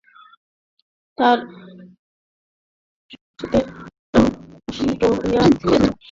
তা স্বত্ত্বেও Australia test দলে খেলার সৌভাগ্য অর্জন করেননি।